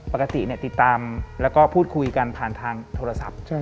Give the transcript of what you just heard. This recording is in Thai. ปกติติดตามแล้วก็พูดคุยกันผ่านทางโทรศัพท์